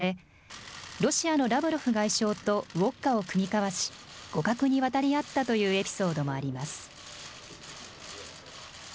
一方、政界随一の酒豪としても知られ、ロシアのラブロフ外相とウォッカを酌み交わし、互角に渡り合ったというエピソードもあります。